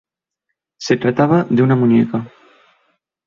Se trataba de una muñeca.